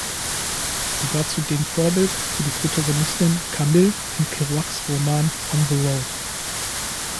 Sie war zudem Vorbild für die Protagonistin „Camille“ in Kerouacs Roman "On the Road".